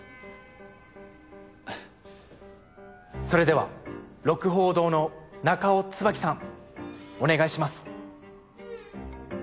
それでは鹿楓堂の中尾椿さんお願いします。